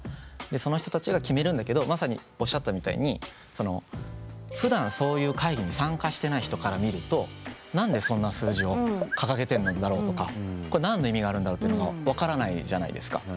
でその人たちが決めるんだけどまさにおっしゃったみたいにそのふだんそういう会議に参加してない人から見ると何でそんな数字を掲げてんのだろうとかこれ何の意味があるんだろうっていうのが分からないじゃないですか。